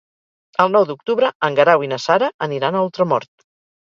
El nou d'octubre en Guerau i na Sara aniran a Ultramort.